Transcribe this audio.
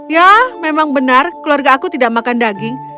ya memang benar keluarga aku tidak makan daging